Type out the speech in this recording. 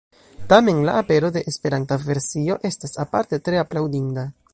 Tamen la apero de esperanta versio estas aparte tre aplaŭdinda.